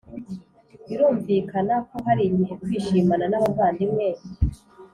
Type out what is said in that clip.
Birumvikana ko hari igihe kwishimana n abavandimwe